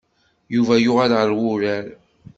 Yuba yuɣal ɣer urar.